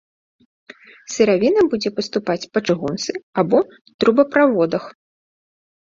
Сыравіна будзе паступаць па чыгунцы або трубаправодах.